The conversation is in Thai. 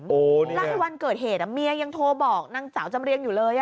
แล้วไอ้วันเกิดเหตุเมียยังโทรบอกนางสาวจำเรียงอยู่เลย